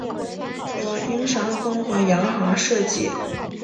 由英商公和洋行设计。